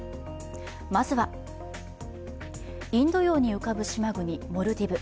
まずは、インド洋に浮かぶ島国モルディブ。